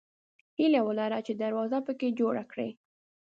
هیله ولره چې دروازه پکې جوړه کړې.